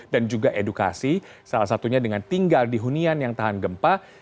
dan juga edukasi salah satunya dengan tinggal di hunian yang tahan gempa